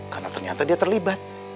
karena ternyata dia terlibat